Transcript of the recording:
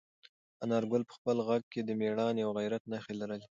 انارګل په خپل غږ کې د میړانې او غیرت نښې لرلې.